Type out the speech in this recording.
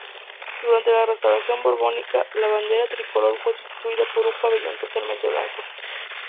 Durante la restauración borbónica, la bandera tricolor fue sustituida por un pabellón totalmente blanco.